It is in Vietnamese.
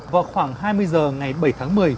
vào khoảng hai mươi h ngày bảy tháng một mươi